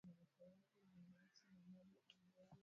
anakuwa na ngozi yake ya kiafrika na rangi yake ile ile